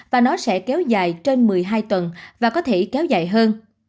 và nó sẽ kéo dài trên một mươi hai tuần và có thể kéo dài hơn